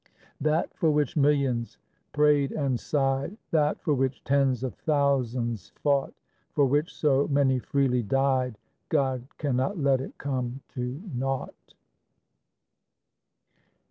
That for which millions prayed and sighed, That for which tens of thousands fought, For which so many freely died, God cannot let it come to naught.